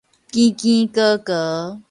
經經翱翱